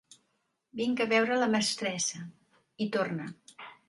Vinc a veure la mestressa —hi torna.